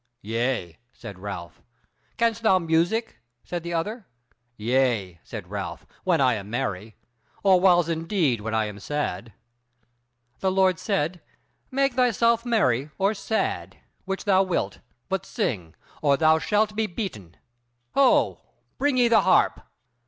"Yea," said Ralph. "Can'st thou music?" said the other. "Yea," said Ralph, "when I am merry, or whiles indeed when I am sad." The lord said: "Make thyself merry or sad, which thou wilt; but sing, or thou shalt be beaten. Ho! Bring ye the harp."